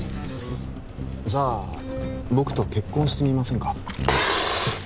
じゃあ僕と結婚してみませんか？